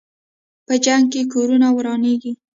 په جنګ کې کورونه ورانېږي.